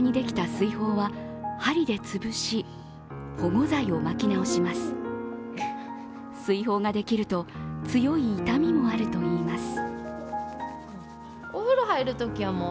水ほうができると、強い痛みもあるといいます。